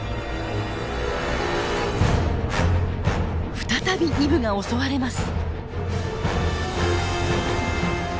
再びイブが襲われます。